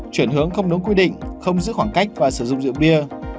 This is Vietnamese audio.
chuyển hướng không đúng quy định không giữ khoảng cách và sử dụng rượu bia